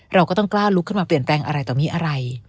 เราก็ต้องกล้าลุกขึ้นมาเปลี่ยนแปลงอะไรต่อมีอะไร